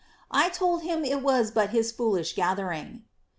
I told him it was but his foolish gathering.''